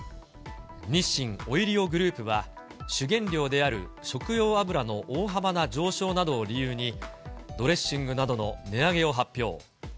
日清オイリオグループは主原料である食用油の大幅な上昇などを理由に、ドレッシングなどの値上げを発表。